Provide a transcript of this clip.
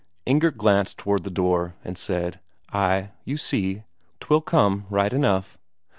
Inger glanced towards the door and said, "Ay, you see, 'twill come right enough."